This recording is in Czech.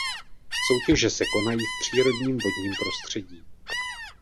Soutěže se konají v přírodním vodním prostředí.